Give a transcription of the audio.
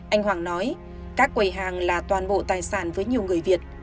anh hoàng nói các quầy hàng là toàn bộ tài sản với nhiều người việt